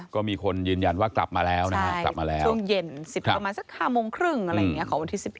ก็มีคนยืนยันกลับมาแล้วชุมเย็น๒๒๓๐นครวันที่๑๑